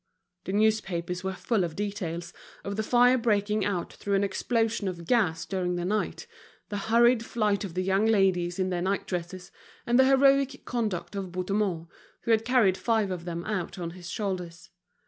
The newspapers were full of details, of the fire breaking out through an explosion of gas during the night, the hurried flight of the young ladies in their night dresses, and the heroic conduct of Bouthemont, who had carried five of them out on his shoulders.